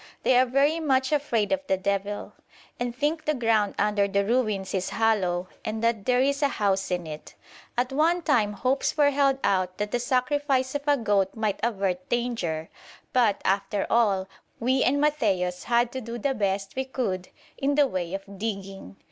They are very much afraid of the Devil, and think the ground under the ruins is hollow and that there is a house in it. At one time hopes were held out that the sacrifice of a goat might avert danger, but, after all, we and Matthaios had to do the best we could in the way of digging.